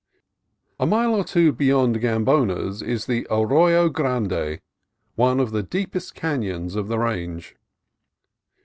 A mile or two beyond Gamboa's is the Arroyo Grande, one of the deepest canons of the range.